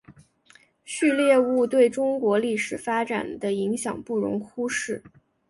旭烈兀对中国历史发展的影响不容忽视。